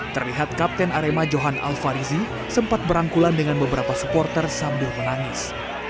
terlihat kapten arema johan al farizi sempat berangkulan dengan beberapa supporter sambil menangis